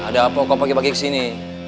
ada apa kau pagi pagi ke sini